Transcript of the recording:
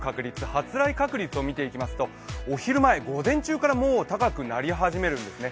発雷確率を見ていきますとお昼前、午前中からもう高くなり始めるんですね。